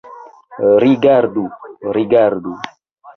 Rigardu, rigardu!